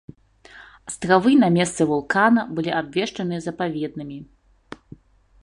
Астравы на месцы вулкана былі абвешчаны запаведнымі.